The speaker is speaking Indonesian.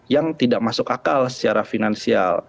yang tidak masuk akal secara finansial